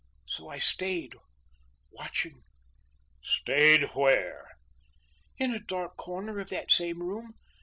So I stayed watching." "Stayed where?" "In a dark corner of that same room.